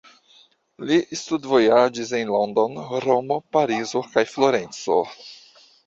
Li studvojaĝis en London, Romo, Parizo, kaj Florenco.